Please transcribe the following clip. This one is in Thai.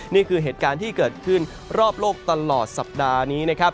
นี่คือเหตุการณ์ที่เกิดขึ้นรอบโลกตลอดสัปดาห์นี้นะครับ